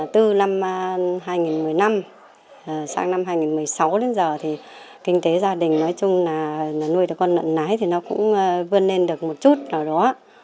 từ năm hai nghìn một mươi năm sang năm hai nghìn một mươi sáu đến giờ thì kinh tế gia đình nói chung là nuôi được con nợ nái thì nó cũng vươn lên được một chút nào đó